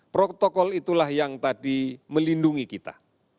protokol itulah yang tadi melindungi kita